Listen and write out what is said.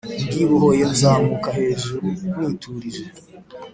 ndibohoye, ndazamuka hejuru niturije